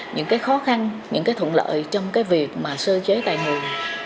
những cái khó khăn những cái thuận lợi trong cái việc mà sơ chế tài nguồn